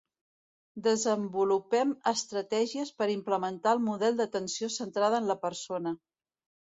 Desenvolupem estratègies per implementar el model d'atenció centrada en la persona.